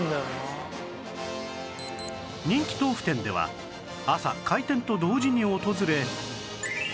人気豆腐店では朝開店と同時に訪れ